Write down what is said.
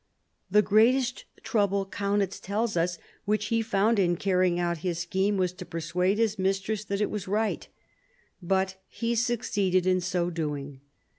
The greatest trouble, Kaunitz tells us, which he found in carrying out his scheme was to persuade his mistress that it was right. But he succeeded in so doing.